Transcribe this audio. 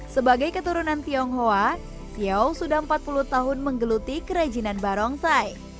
sebagai keturunan tionghoa xiao sudah empat puluh tahun menggeluti kerajinan barongsai